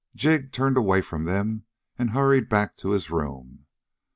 Jig turned away from them and hurried back to his room.